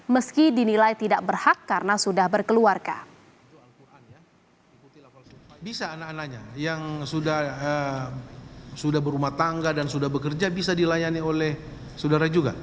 meski dinilai tidak berhak karena sudah berkeluarga